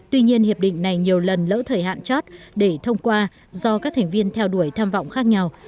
tuy nhiên hiệp định này nhiều lần lỡ thời hạn chót để thông qua do các thành viên theo đuổi tham vọng khác nhau